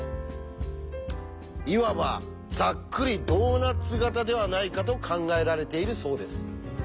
いわばざっくりドーナツ型ではないかと考えられているそうです。